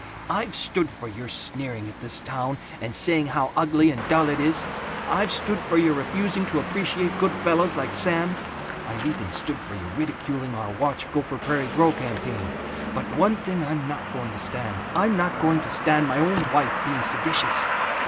I've stood for your sneering at this town, and saying how ugly and dull it is. I've stood for your refusing to appreciate good fellows like Sam. I've even stood for your ridiculing our Watch Gopher Prairie Grow campaign. But one thing I'm not going to stand: I'm not going to stand my own wife being seditious.